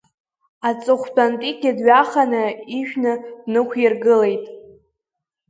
Аҵыхәтәантәигьы дҩаханы ижәны инықәиргылеит…